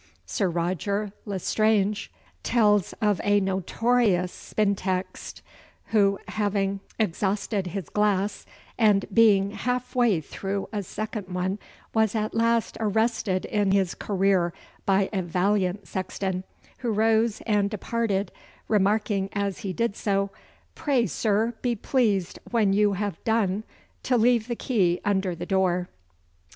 Sir Roger L'Estrange (Fables, Part II. Fab. 262) tells of a notorious spin text who, having exhausted his glass and being half way through a second one, was at last arrested in his career by a valiant sexton, who rose and departed, remarking as he did so, 'Pray, sir, be pleased when you have done to leave the key under the door.